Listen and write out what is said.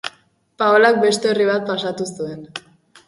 Paolak beste orri bat pasatu zuen.